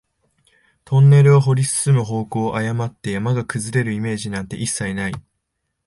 トンネルを掘り進む方向を誤って、山が崩れるイメージなんて一切ない